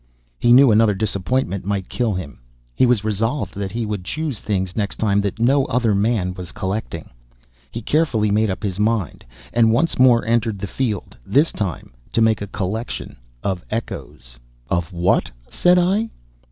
He knew another disappointment might kill him. He was resolved that he would choose things next time that no other man was collecting. He carefully made up his mind, and once more entered the field this time to make a collection of echoes. �Of what?� said I.